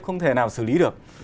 không thể nào xử lý được